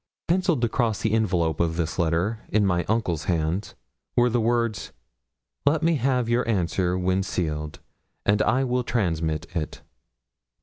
Pencilled across the envelope of this letter, in my uncle's hand, were the words, 'Let me have your answer when sealed, and I will transmit it.